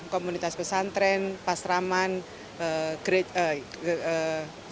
komunitas pesantren pasraman serikat pekerja